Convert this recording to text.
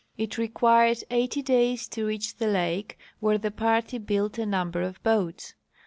It required eighty days to reach the lake, where the party built a number of boats.